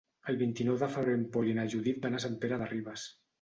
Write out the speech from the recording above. El vint-i-nou de febrer en Pol i na Judit van a Sant Pere de Ribes.